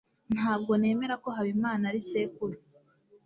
Ntabwo nemera ko Habimana ari sekuru.